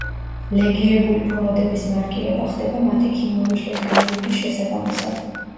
ლეგირებული ფოლადების მარკირება ხდება მათი ქიმიური შედგენილობის შესაბამისად.